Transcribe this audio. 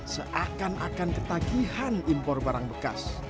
seakan akan ketagihan impor barang bekas